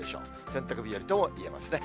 洗濯日和ともいえますね。